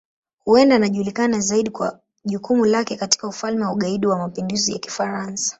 Huenda anajulikana zaidi kwa jukumu lake katika Ufalme wa Ugaidi wa Mapinduzi ya Kifaransa.